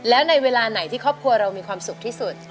แล้วในเวลาไหนที่ครอบครัวเรามีความสุขที่สุด